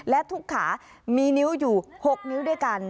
และทุกขามีนิ้วอยู่๖นิ้วด้วยกัน